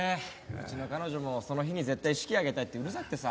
うちの彼女もその日に絶対式挙げたいってうるさくてさ。